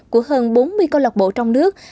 của hơn bốn mươi câu lạc bộ trong nước